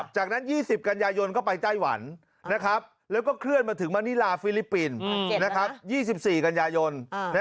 จากนั้น๒๐กันยายนก็ไปไต้หวันแล้วก็เคลื่อนมาถึงมานิลาฟิลิปปินส์๒๔กันยายน